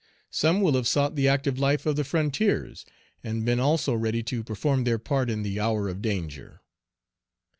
Some will have sought the active life of the frontiers, and been also ready to perform their part in the hour of danger.